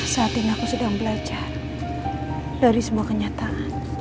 saatinya aku sedang belajar dari sebuah kenyataan